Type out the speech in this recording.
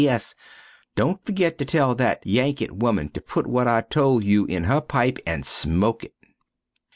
P.S. Dont ferget to tell that Yanket woman to put what I told you in her pipe and smoke it.